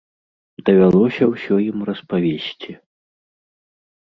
Давялося ўсё ім распавесці.